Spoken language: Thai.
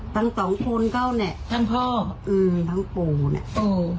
ทั้งสองคนก็เนี่ยทั้งพ่ออืมทั้งปู่เนี่ยโอ้